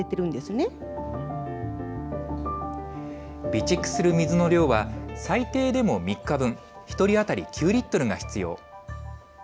備蓄する水の量は最低でも３日分、１人当たり９リットルが必要。